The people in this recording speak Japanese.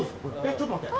ちょっと待って。